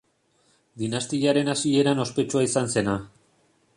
Dinastiaren hasieran ospetsua izan zena.